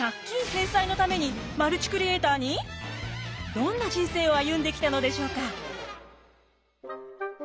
どんな人生を歩んできたのでしょうか？